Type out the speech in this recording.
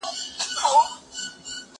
ايا ته کالي مينځې.